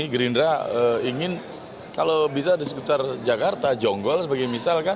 gerindra ingin kalau bisa di sekitar jakarta jonggol sebagai misalkan